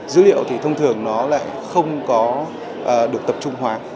dữ liệu thì thông thường nó lại không có được tập trung hóa